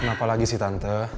kenapa lagi sih tante